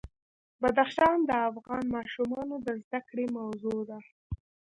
بدخشان د افغان ماشومانو د زده کړې موضوع ده.